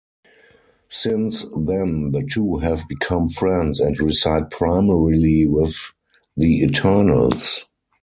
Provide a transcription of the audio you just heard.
Since then the two have become friends and reside primarily with the Eternals.